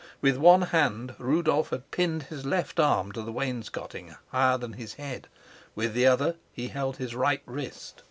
With one hand Rudolf had pinned his left arm to the wainscoting higher than his head, with the other he held his right wrist.